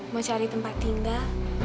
mau cari tempat tinggal